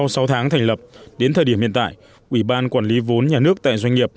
sau sáu tháng thành lập đến thời điểm hiện tại ủy ban quản lý vốn nhà nước tại doanh nghiệp